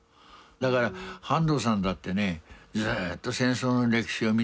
だから半藤さんだってねずっと戦争の歴史を見てきてですよ